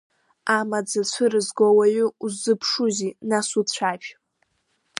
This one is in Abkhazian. Амаӡа цәырызго ауаҩы, уззыԥшузеи нас, уцәажә.